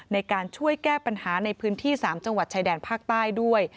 ในการช่วยแก้ปัญหาในพื้นที่๓จังหวัดชายแดนภาคใต้ด้วย